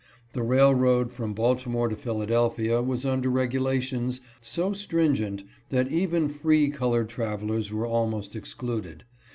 The railroad from Baltimore to Philadelphia was under regulations so stringent that even free colored travelers were almost excluded.